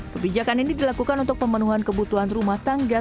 kebijakan ini dilakukan untuk pemenuhan kebutuhan rumah tangga